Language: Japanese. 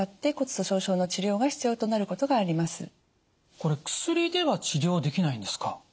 これ薬では治療できないんですか？